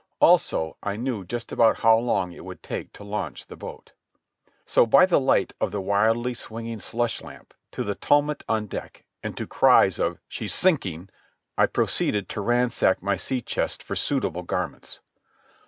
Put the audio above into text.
Also, I knew just about how long it would take to launch the boat. So, by the light of the wildly swinging slush lamp, to the tumult on deck and to cries of "She's sinking!" I proceeded to ransack my sea chest for suitable garments.